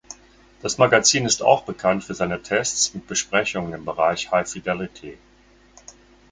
Das Magazin ist auch bekannt für seine Tests und Besprechungen im Bereich High Fidelity.